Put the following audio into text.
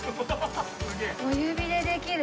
小指でできる。